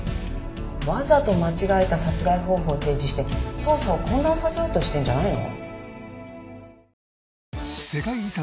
わざと間違えた殺害方法提示して捜査を混乱させようとしてるんじゃないの？